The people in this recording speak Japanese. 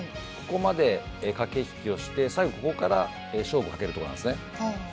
ここまで駆け引きをして最後ここから勝負をかけるところなんですね。